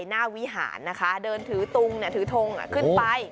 วิหารนะคะเดินถือตุงถือทงขึ้นไป